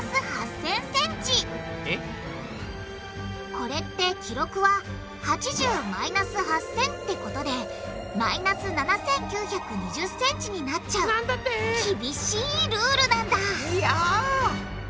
これって記録は８０マイナス８０００ってことでマイナス７９２０ｃｍになっちゃう厳しいルールなんだいや！